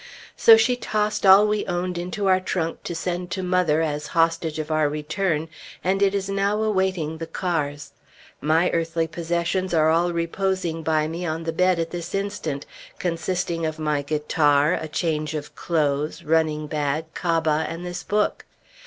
So she tossed all we owned into our trunk to send to mother as hostage of our return, and it is now awaiting the cars. My earthly possessions are all reposing by me on the bed at this instant, consisting of my guitar, a change of clothes, running bag, cabas, and this book.